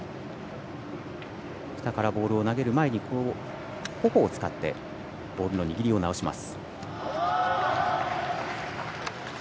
ボールを投げる前にほほを使ってボールの握りを直します。